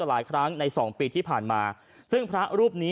หลายครั้งในสองปีที่ผ่านมาซึ่งพระรูปนี้